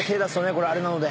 これあれなので。